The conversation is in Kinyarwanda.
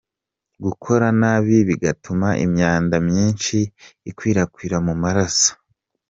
gukora nabi, bigatuma imyanda myinshi ikwirakwira mu maraso.